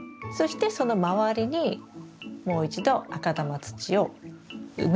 そしてその周りにもう一度赤玉土を埋めて頂く。